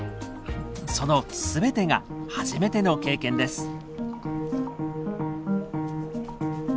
その全てが初めての経験です。